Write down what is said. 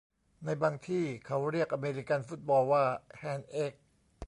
ในบางที่เขาเรียกอเมริกันฟุตบอลว่าแฮนด์เอ๊ก